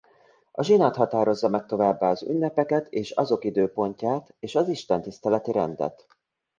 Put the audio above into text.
A zsinat határozza meg továbbá az ünnepeket és azok időpontját és az istentiszteleti rendet.